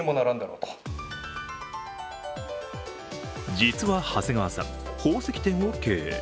実は長谷川さん、宝石店を経営。